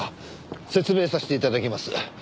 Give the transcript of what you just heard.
説明させて頂きます。